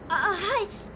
はい。